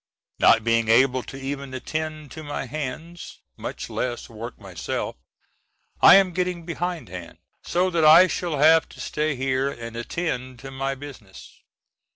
Not being able to even attend to my hands, much less work myself, I am getting behindhand, so that I shall have to stay here and attend to my business.